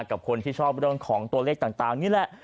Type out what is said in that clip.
กับคนที่ชอบเรื่องของตัวเลขต่างนี่แหละ